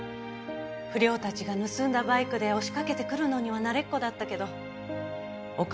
不良たちが盗んだバイクで押しかけてくるのには慣れっこだったけど岡